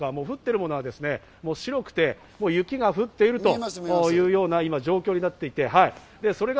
降っているものはもう白くて、雪が降っているというような状況になっています。